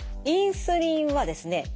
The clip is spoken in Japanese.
インスリンはですね